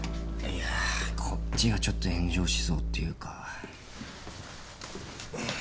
いやこっちがちょっと炎上しそうっていうか。